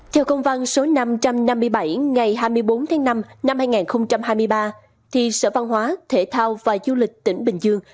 theo công văn số năm trăm năm mươi bảy ngày hai mươi bốn tháng năm năm hai nghìn hai mươi ba sở văn hóa thể thao và du lịch tỉnh bình dương